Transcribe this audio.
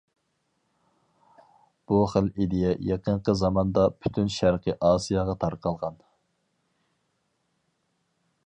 بۇ خىل ئىدىيە يېقىنقى زاماندا پۈتۈن شەرقىي ئاسىياغا تارقالغان.